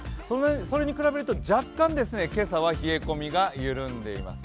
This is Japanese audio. それに比べると、若干今朝は冷え込みが緩んでいます。